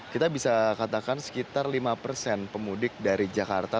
kita bisa katakan sekitar lima persen pemudik dari jakarta